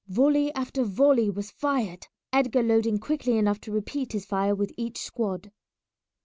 Volley after volley was fired, Edgar loading quickly enough to repeat his fire with each squad.